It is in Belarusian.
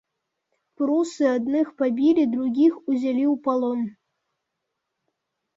Прусы адных пабілі, другіх узялі ў палон.